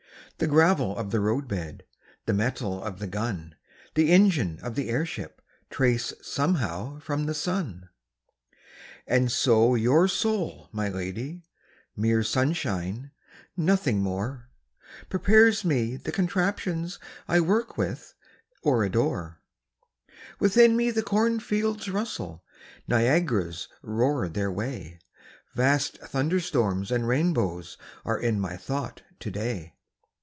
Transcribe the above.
The gravel of the roadbed, The metal of the gun, The engine of the airship Trace somehow from the sun. And so your soul, my lady (Mere sunshine, nothing more) Prepares me the contraptions I work with or adore. Within me cornfields rustle, Niagaras roar their way, Vast thunderstorms and rainbows Are in my thought to day.